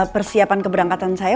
persiapan keberangkatan saya